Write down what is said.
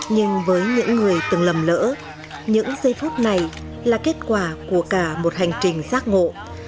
nhưng với những người từng lầm lỡ những giây phút này là kết quả của cả một hành trình giác ngộ